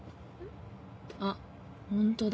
あっホントだ。